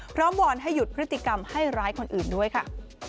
วอนให้หยุดพฤติกรรมให้ร้ายคนอื่นด้วยค่ะ